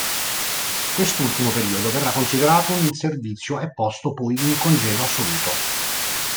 Per quest'ultimo periodo verrà considerato in servizio e posto poi in congedo assoluto.